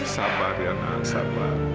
sabar riana sabar